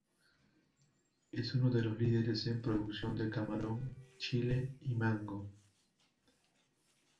Es uno de los líderes en producción de camarón, chile y mango.